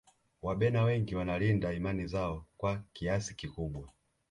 wabena wengi wanalinda imani zao kwa kiasi kikubwa